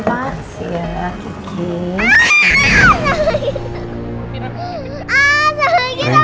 permisi pemba nino